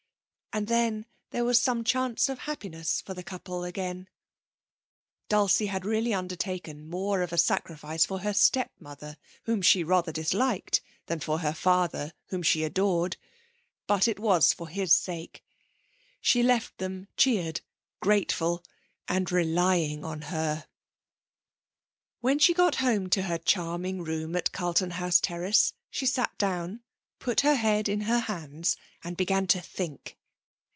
And then there was some chance of happiness for the couple again. Dulcie had really undertaken more of a sacrifice for her stepmother, whom she rather disliked, than for her father, whom she adored, but it was for his sake. She left them cheered, grateful, and relying on her. When she got home to her charming room at Carlton House Terrace she sat down, put her head in her hands and began to think.